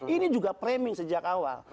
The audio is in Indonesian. ini juga framing sejak awal